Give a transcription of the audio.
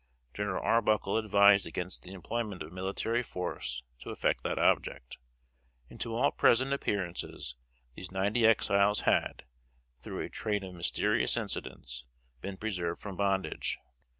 General Arbuckle advised against the employment of military force to effect that object; and to all present appearances these ninety Exiles had, through a train of mysterious incidents, been preserved from bondage.